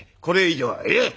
これ以上は」。